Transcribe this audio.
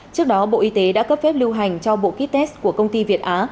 trước đó bộ y tế đã cấp phép lưu hành cho bộ ký test của công ty việt á